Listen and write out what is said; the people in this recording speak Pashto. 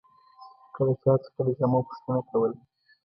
که د چا څخه د جامو پوښتنه کوله.